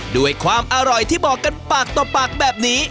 ด้วยความอร่อยที่บอกกันปากต่อปากแบบนี้